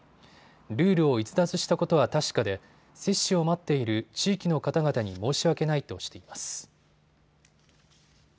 ルールを逸脱したことは確かで接種を待っている地域の方々に申し訳ないとしています。